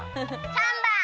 ３ばん！